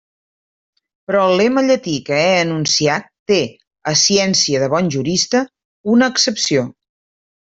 Però el lema llatí que he enunciat té, a ciència de bon jurista, una excepció.